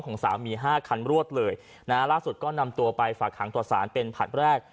ของสามีห้าคันรวดเลยนะฮะล่าสุดก็นำตัวไปฝากหางต่อสารเป็นผลัดแรก